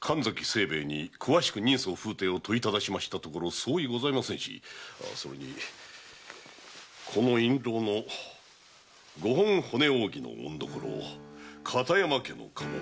神崎清兵衛に詳しく人相風体を問いただしましたところ相違ございませんしそれにこの印籠の五本骨扇の紋所片山家の家紋。